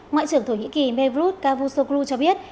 ngoại trưởng thổ nhĩ kỳ mevlut cavusoglu cho biết